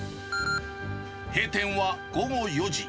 閉店は午後４時。